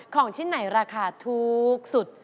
ของที่ไหนราคาทุกสุด